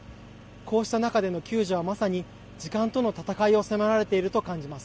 こうした中での救助はまさに時間との戦いを迫られていると感じます。